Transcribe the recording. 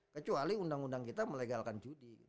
kecuali undang undang kita melegalkan judi